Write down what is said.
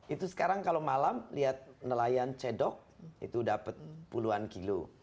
itu sekarang kalau malam lihat nelayan cedok itu dapat puluhan kilo